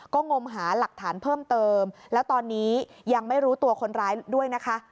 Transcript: ก็งมหาหลักฐานเพิ่มเติมแล้วตอนนี้ยังไม่รู้ตัวคนร้ายด้วยนะคะ